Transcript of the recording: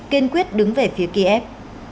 kiên quyết đứng về phía ký ép